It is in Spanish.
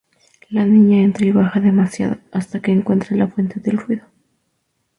La niña entra y baja demasiado, hasta que encuentra la fuente del ruido.